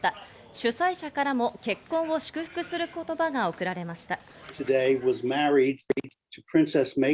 主催者からも結婚を祝福する言葉がおくられました。